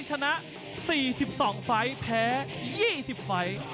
ชนะ๔๒ไฟล์แพ้๒๐ไฟล์